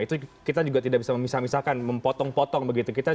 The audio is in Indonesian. itu kita juga tidak bisa memisah misahkan mempotong potong begitu